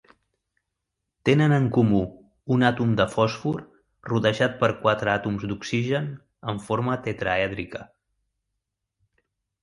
Tenen en comú un àtom de fòsfor rodejat per quatre àtoms d'oxigen en forma tetraèdrica.